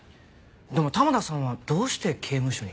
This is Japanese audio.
でも玉田さんはどうして刑務所に？